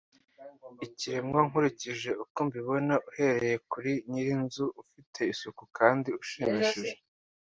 ikiremwa, nkurikije uko mbibona, uhereye kuri nyirinzu ufite isuku kandi ushimishije.